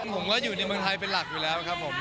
ผมก็อยู่ในเมืองไทยเป็นหลักอยู่แล้วครับผม